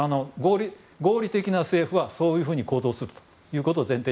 合理的な政府はそういうふうに行動するということを前提に。